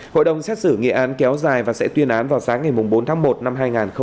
hội đồng xét xử nghị án kéo dài và sẽ tuyên án vào sáng ngày bốn tháng một năm hai nghìn hai mươi